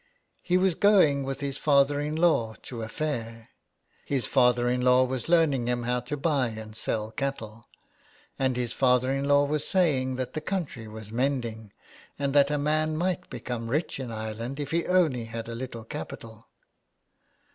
He was going with his father in law to a fair. His father in law was learning him how to buy and sell cattle. And his father in law was saying that the country was mending, and that a man might become rich in Ireland if he only had a little capital.